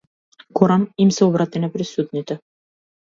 Горан им се обрати на присутните.